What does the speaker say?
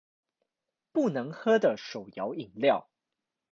不能喝的手搖飲料